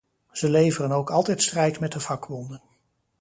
Ze leveren ook altijd strijd met de vakbonden.